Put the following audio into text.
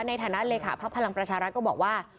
ในฐานะเลขาภักดิ์พลังประชารัฐก็บอกว่า